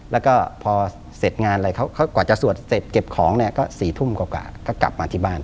แล้วก็พอเสร็จงานอะไรเขากว่าจะสวดเสร็จเก็บของเนี่ยก็๔ทุ่มกว่าก็กลับมาที่บ้าน